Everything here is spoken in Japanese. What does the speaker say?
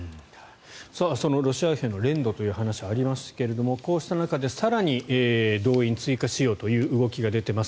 そのロシア兵の練度という話がありましたがこうした中で更に動員を追加しようという動きが出ています。